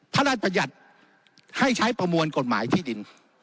พระราชบัญญัติให้ใช้ประมวลกฎหมายที่ดิน